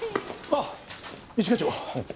あっ一課長。